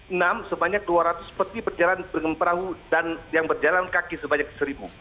enam sebanyak dua ratus peti berjalan bergembarahu dan yang berjalan kaki sebanyak seribu